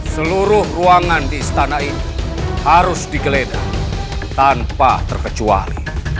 seluruh ruangan di istana ini harus digeledah tanpa terkecuali